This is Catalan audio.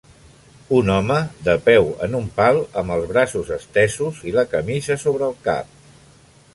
Un home de peu en un pal amb els braços estesos i la camisa sobre el cap.